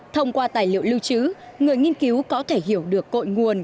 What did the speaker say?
thông qua tài liệu lưu trữ người nghiên cứu có thể hiểu được cội nguồn